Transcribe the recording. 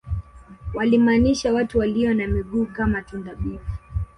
walimaanisha watu walio na miguu kama tunda bivu